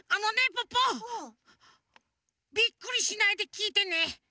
ポッポビックリしないできいてね。